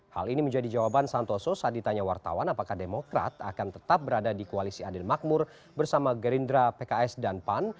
hal ini menjadi jawaban santoso saat ditanya wartawan apakah demokrat akan tetap berada di koalisi adil makmur bersama gerindra pks dan pan